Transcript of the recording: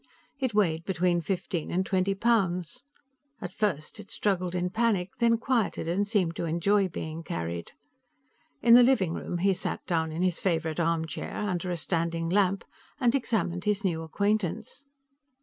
It weighed between fifteen and twenty pounds. At first, it struggled in panic, then quieted and seemed to enjoy being carried. In the living room he sat down in his favorite armchair, under a standing lamp, and examined his new acquaintance.